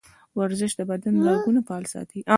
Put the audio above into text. ورزش د بدن رګونه فعال ساتي.